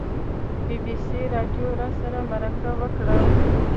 بي بي سي راډیو راسره مرکه وکړه.